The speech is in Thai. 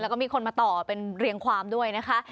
แล้วก็มีคนมาต่อเป็นเรียงความด้วยนะคะ